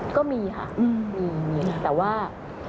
ก็มีค่ะมีแต่ว่า